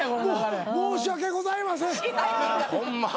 申し訳ございません。